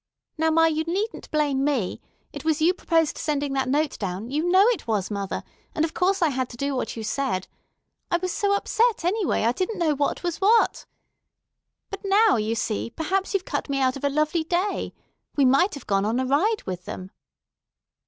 "Now, ma, you needn't blame me. It was you proposed sending that note down; you know it was, mother; and of course I had to do what you said. I was so upset, anyway, I didn't know what was what. But now, you see, perhaps you've cut me out of a lovely day. We might have gone on a ride with them."